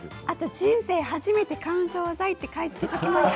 人生初めて緩衝材と漢字で書きました。